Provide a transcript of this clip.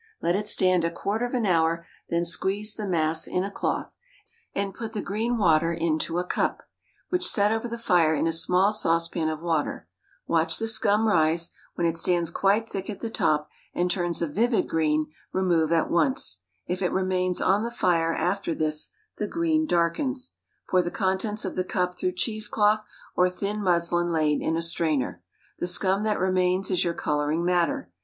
Let it stand a quarter of an hour, then squeeze the mass in a cloth, and put the green water into a cup, which set over the fire in a small saucepan of water; watch the scum rise; when it stands quite thick at the top and turns a vivid green, remove at once (if it remains on the fire after this the green darkens); pour the contents of the cup through cheese cloth or thin muslin laid in a strainer. The scum that remains is your coloring matter.